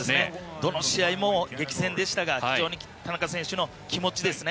どの試合の激戦でしたが、非常に田中選手の気持ちですね。